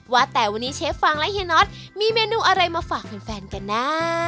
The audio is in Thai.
ว่าแต่วันนี้เชฟฟังและเฮียน็อตมีเมนูอะไรมาฝากแฟนกันนะ